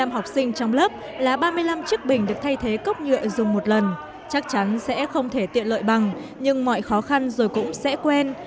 một mươi năm học sinh trong lớp là ba mươi năm chiếc bình được thay thế cốc nhựa dùng một lần chắc chắn sẽ không thể tiện lợi bằng nhưng mọi khó khăn rồi cũng sẽ quen